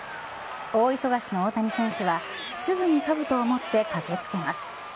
大忙しの大谷選手は、すぐにかぶとを持って駆けつけます。